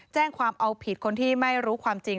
แจ้งความเอาผิดคนที่ไม่รู้ความจริง